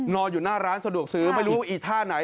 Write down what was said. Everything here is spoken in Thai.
อยู่หน้าร้านสะดวกซื้อไม่รู้อีท่าไหน